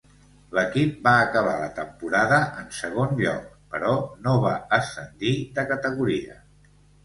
L'equip va acabar la temporada en segon lloc, però no va ascendir de categoria.